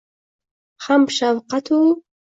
Ham shafqatu